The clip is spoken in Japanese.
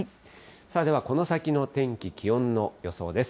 ではこの先の天気、気温の予想です。